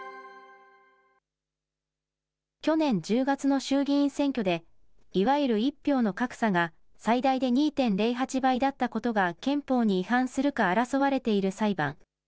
去年１０月の衆議院選挙で、いわゆる１票の格差が、最大で２．０８倍だったことが、憲法に違反するか争われている裁判。